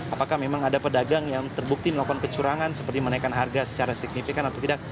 apakah memang ada pedagang yang terbukti melakukan kecurangan seperti menaikkan harga secara signifikan atau tidak